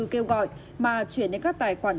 kêu gọi mà chuyển đến các tài khoản